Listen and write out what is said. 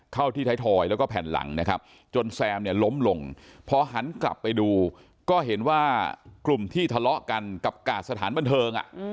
เข้าที่ไทยทอยแล้วก็แผ่นหลังนะครับจนแซมเนี่ยล้มลงพอหันกลับไปดูก็เห็นว่ากลุ่มที่ทะเลาะกันกับกาดสถานบันเทิง